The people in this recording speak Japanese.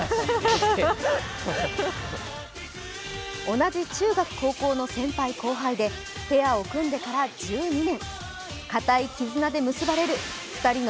同じ中学・高校の先輩後輩でペアを組んでから１２年。